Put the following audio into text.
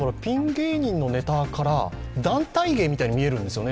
芸人のネタから団体芸みたいに見えるんですね。